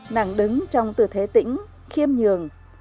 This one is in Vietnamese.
nàng đứng trong tư thế tĩnh khiêm nhường